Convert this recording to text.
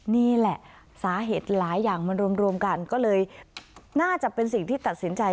นี่แหละสาเหตุหลายอย่างมันรวมกันก็เลยน่าจะเป็นสิ่งที่ตัดสินใจ